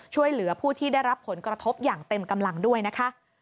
ช่วยเหลือผู้ที่ได้รับผลกระทบอย่างเต็มกำลังด้วยนะคะ